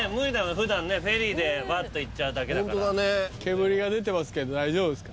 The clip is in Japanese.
普段ねフェリーでバッと行っちゃうだけだからホントだね煙が出てますけど大丈夫ですか？